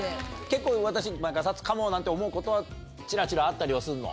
結構私ガサツかもなんて思うことはチラチラあったりはするの？